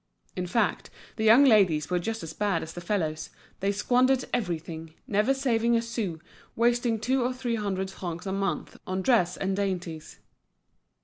In fact, the young ladies were just as bad as the fellows, they squandered everything, never saving a sou, wasting two or three hundred francs a month on dress and dainties.